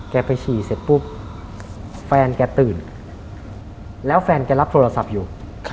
แกไปฉี่เสร็จปุ๊บแฟนแกตื่นแล้วแฟนแกรับโทรศัพท์อยู่